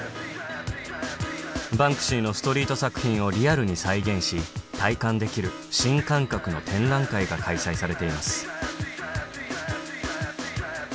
バンクシーのストリート作品をリアルに再現し体感できる新感覚の展覧会が開催されています